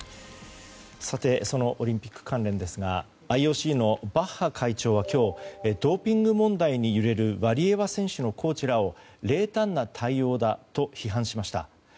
オリンピック関連ですがＩＯＣのバッハ会長は今日、ドーピング問題に揺れるワリエワ選手のコーチらを冷淡な対応だと批判しました。